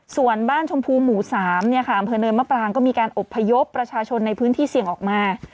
ส่วนบ้านชมพูหมู่๓อำเภอเนินมะปรางก็มีการอบพยพประชาชนในพื้นที่เสี่ยงออกมา